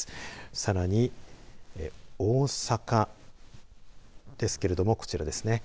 さらに、大阪ですけれども、こちらです。